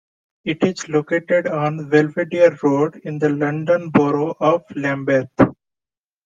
It is located on Belvedere Road in the London Borough of Lambeth.